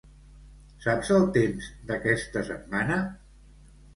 Saps el temps d'aquesta setmana?